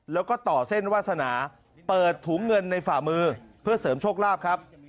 แล้วก็ต่อเส้นวาสนาเปิดถุงเงินในฝ่ามือเพื่อเสริมโชคลาภครับ